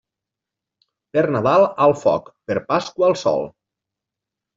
Per Nadal al foc, per Pasqua al sol.